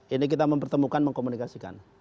ini kita mempertemukan mengkomunikasikan